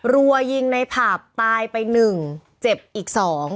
รัวยิงในผับตายไปหนึ่งเจ็บอีกสอง